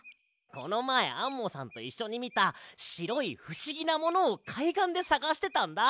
このまえアンモさんといっしょにみたしろいふしぎなものをかいがんでさがしてたんだ。